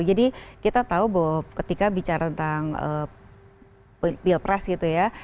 jadi kita tahu bahwa ketika bicara tentang bill press gitu ya